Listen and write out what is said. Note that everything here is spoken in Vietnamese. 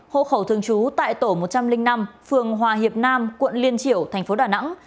hộ khẩu thường trú tại tổ một trăm linh năm phường hòa hiệp nam quận liên triểu thành phố đà nẵng